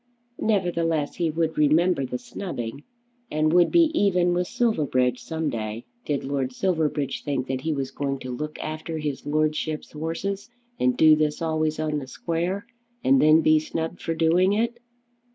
Nevertheless he would remember the snubbing and would be even with Silverbridge some day. Did Lord Silverbridge think that he was going to look after his Lordship's 'orses, and do this always on the square, and then be snubbed for doing it!